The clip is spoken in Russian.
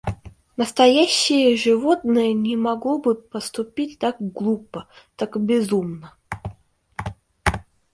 Настоящее животное не могло бы поступить так глупо, так безумно.